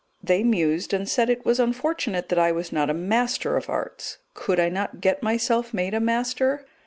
They mused and said it was unfortunate that I was not a Master of Arts. Could I not get myself made a Master?